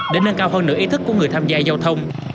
để nâng cao hơn nửa ý thức của người tham gia giao thông